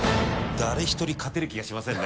誰一人勝てる気がしませんね。